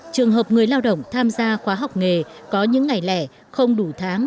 trường hợp người lao động tham gia khóa học nghề có những ngày lẻ không đủ tháng